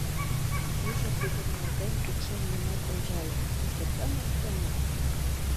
Миша, пӱгырналтен, укшер йымак ончале: тушто тымык-тымык.